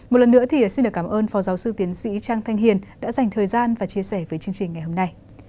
một lần nữa thì xin được cảm ơn phó giáo sư tiến sĩ trang thanh hiền đã dành thời gian và chia sẻ với chương trình ngày hôm nay